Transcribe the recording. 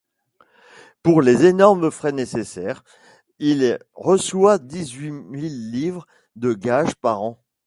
Pour les énormes frais nécessaires, il reçoit dix-huit mille livres de gages par an.